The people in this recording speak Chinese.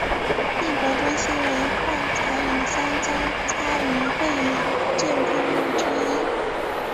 帝国中心为幻彩咏香江参与汇演建筑物之一。